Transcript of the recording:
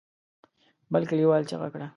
بل کليوال چيغه کړه.